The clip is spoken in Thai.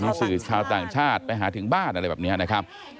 มีสื่อชาวต่างชาติไปหาถึงบ้านอะไรแบบนี้นะครับ